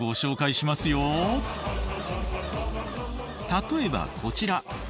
例えばこちら。